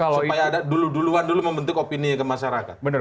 supaya ada duluan duluan membentuk opini ke masyarakat